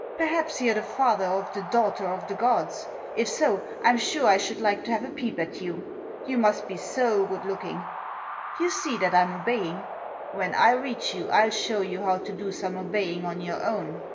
Perhaps you're the father of the daughter of the gods ; if so, I'm sure I should like to have a peep at you, you must Digitized by 144 THE JOSS. be so good looking. You see that Fm obeying. When I reach you I'll show you how to do some obeying on your own.